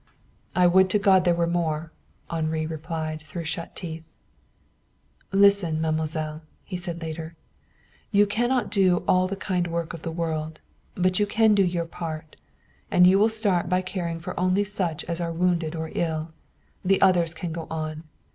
"I would to God there were more!" Henri replied, through shut teeth. "Listen, mademoiselle," he said later. "You cannot do all the kind work of the world. But you can do your part. And you will start by caring for only such as are wounded or ill. The others can go on.